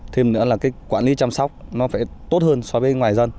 thêm nữa là cái quản lý chăm sóc nó phải tốt hơn so với ngoài dân